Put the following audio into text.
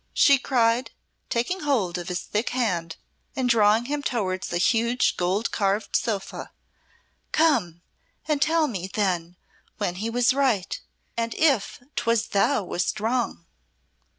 she cried, taking hold of his thick hand and drawing him towards a huge gold carved sofa. "Come and tell me then when he was right, and if 'twas thou wast wrong."